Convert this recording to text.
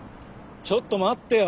ちょっと待ってよ。